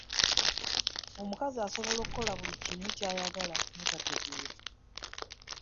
Omukazi asobola okukola buli kimu ky'ayagala notategeera.